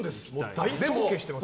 大尊敬してます。